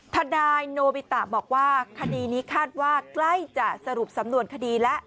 ทนายโนบิตะบอกว่าคดีนี้คาดว่าใกล้จะสรุปสำนวนคดีแล้ว